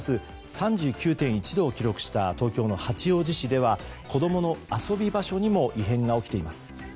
３９．１度を記録した東京の八王子市では子供の遊び場所にも異変が起きています。